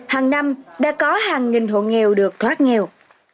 hàng năm đã có hàng nghìn hộ nghèo được thoát nghèo